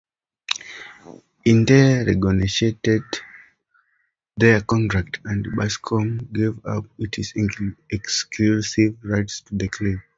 Intel renegotiated their contract and Busicom gave up its exclusive rights to the chips.